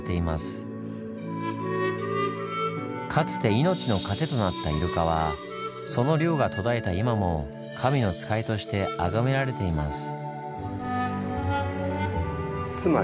かつて命の糧となったイルカはその漁が途絶えた今も神の使いとしてあがめられています。